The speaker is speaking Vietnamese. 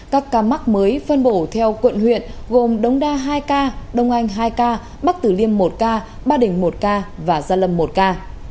các ca mắc mới phân bổ theo quận huyện gồm đống đa hai ca đông anh hai ca bắc tử liêm một ca ba đình một ca và gia lâm một ca